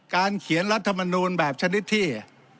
เขียนรัฐมนูลแบบชนิดที่